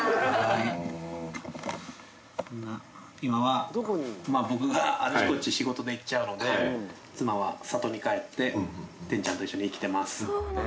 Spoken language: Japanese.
今は僕があっちこっち仕事で行っちゃうので妻は里に帰って天ちゃんと一緒に生きてます。